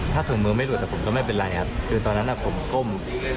ถ้าถุงมือไม่หลุดแต่ผมก็ไม่เป็นไรครับคือตอนนั้นผมก้ม